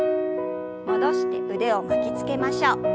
戻して腕を巻きつけましょう。